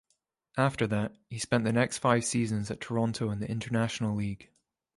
After that, he spent the next five seasons at Toronto in the International League.